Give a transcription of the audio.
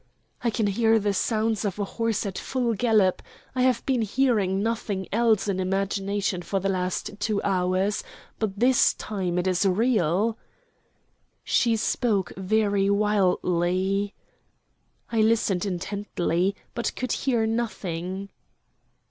"I can hear the sounds of a horse at full gallop. I have been hearing nothing else in imagination for the last two hours; but this time it is real." She spoke very wildly. I listened intently, but could hear nothing.